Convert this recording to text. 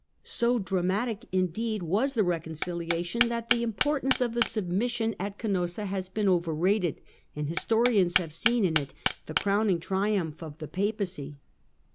So dramatic, indeed, was the reconciliation, that the importance of the submission at Canossa has been overrated, and historians have seen in it the crowning triumph of the Papacy.